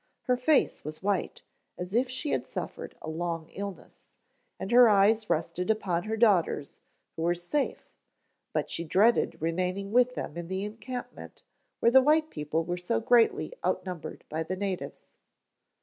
Her face was white as if she had suffered a long illness, and her eyes rested upon her daughters, who were safe, but she dreaded remaining with them in the encampment where the white people were so greatly out numbered by the natives.